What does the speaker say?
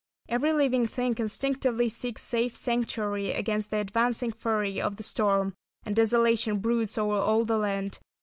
Every living thing instinctively seeks safe sanctuary against the advancing fury of the storm; and desolation broods o'er all the land.